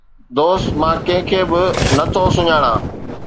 دوست، مان ڪنهن کي به نٿو سڃاڻان